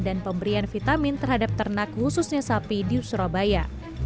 dan pemberian vitamin terhadap ternak khususnya sapi di surabaya